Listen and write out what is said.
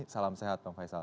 salam sehat bang faisal